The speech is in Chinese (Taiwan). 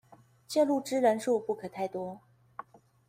介入之人數不可太多